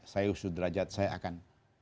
saeho sudrajat saya akan